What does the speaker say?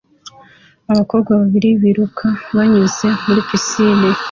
Abakobwa babiri biruka banyuze muri pisine